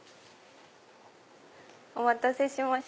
お待たせしまし